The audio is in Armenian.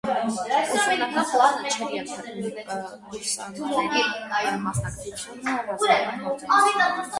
Ուսումնական պլանը չէր ենթադրում կուրսանտների մասնակցությունը ռազմական գործողություններին։